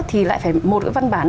thì lại phải một cái văn bản